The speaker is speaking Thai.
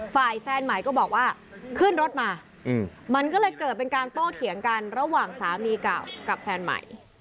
ฝ่ายแฟนใหม่ก็บอกว่าขึ้นรถมามันก็เลยเกิดเป็นการโต้เถียงกันระหว่างสามีเก่ากับแฟนใหม่